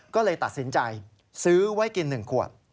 ก็เลยตัดสินใจซื้อไว้กิน๑ขวด